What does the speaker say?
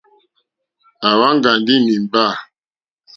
À wáŋɡà ndí nǐmbà.